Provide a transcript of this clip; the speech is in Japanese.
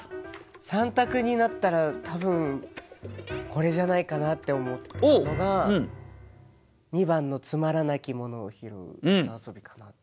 ３択になったら多分これじゃないかなって思ったのが２番の「つまらなきものをも拾ふ磯遊」かなって。